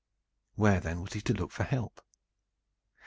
Where then was he to look for help?